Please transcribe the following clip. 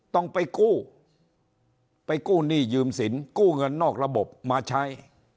ต้องไปกู้ไปกู้หนี้ยืมสินกู้เงินนอกระบบมาใช้